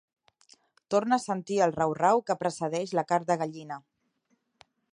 Torna a sentir el rau-rau que precedeix la carn de gallina.